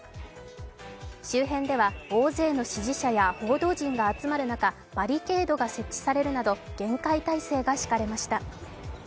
周辺では大勢の支持者や報道陣が集まる中バリケードが設置されるなど厳戒態勢が敷かれました。